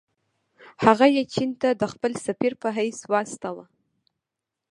هغه یې چین ته د خپل سفیر په حیث واستاوه.